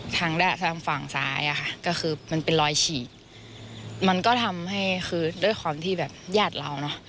ทางด้านทางฝั่งซ้ายอะค่ะก็คือมันเป็นรอยฉีกมันก็ทำให้คือด้วยความที่แบบญาติเราเนอะ